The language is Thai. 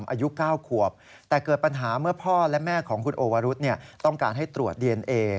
อายุ๙ขวบแต่เกิดปัญหาเมื่อพ่อและแม่ของคุณโอวรุษต้องการให้ตรวจดีเอนเอ